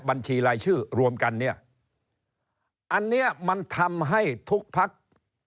บัญชีรายชื่อรวมกันเนี่ยอันเนี้ยมันทำให้ทุกพัก